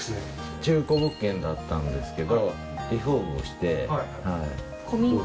中古物件だったんですけど、リフォームをして。